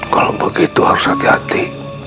kalau begitu harus hati hati